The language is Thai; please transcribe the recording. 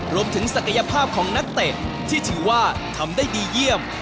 ศักยภาพของนักเตะที่ถือว่าทำได้ดีเยี่ยม